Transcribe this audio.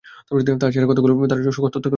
তার চেহারার রেখাগুলো তার সত্যতার কথা বলছে।